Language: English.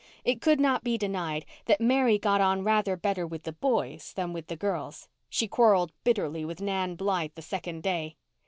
It could not be denied that Mary got on rather better with the boys than with the girls. She quarrelled bitterly with Nan Blythe the second day.